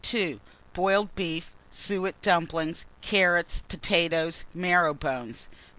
2. Boiled beef, suet dumplings, carrots, potatoes, marrow bones.